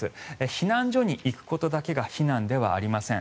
避難所に行くことだけが避難ではありません。